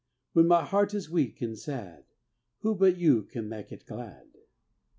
When my heart is weak an' sad, Who but you can mek it glad?"